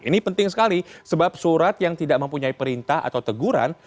ini penting sekali sebab surat yang tidak mempunyai perintah atau teguran